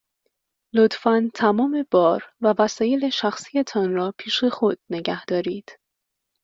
لطفاً تمام بار و وسایل شخصی تان را پیش خود نگه دارید.